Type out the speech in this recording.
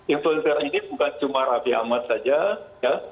influencer ini bukan cuma rabi ahmad saja ya